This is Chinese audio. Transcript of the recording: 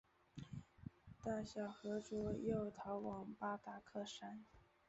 大小和卓又逃往巴达克山。